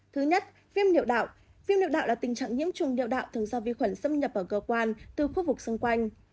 thứ nhất viêm niệu đạo viêm niệu đạo là tình trạng nhiễm trùng niệu đạo thường do vi khuẩn xâm nhập vào cơ quan từ khu vực xung quanh